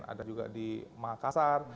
ada juga di makassar